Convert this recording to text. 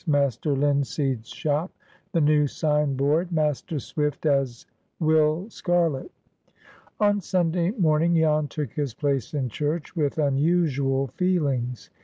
—MASTER LINSEED'S SHOP.—THE NEW SIGN BOARD.—MASTER SWIFT AS WILL SCARLET. ON Sunday morning Jan took his place in church with unusual feelings.